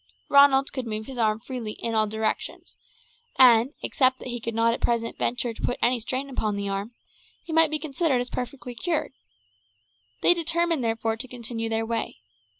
Ronald could move his arm freely in all directions, and, except that he could not at present venture to put any strain upon the arm, he might be considered as perfectly cured. They determined, therefore, to continue their way.